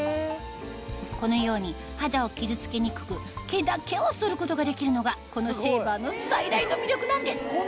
このように肌を傷付けにくく毛だけを剃ることができるのがこのシェーバーの最大の魅力なんです